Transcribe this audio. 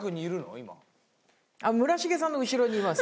あっ村重さんの後ろにいます